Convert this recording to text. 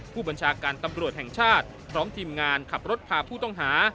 ผู้บัญชาการตำรวจแห่งชาติพร้อมทีมงานขับรถพาผู้ต้องหา